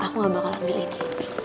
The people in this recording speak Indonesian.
aku gak bakal ambil ini